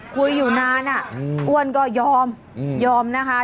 คุยอยู่นานอ้วนก็ยอมยอมนะคะ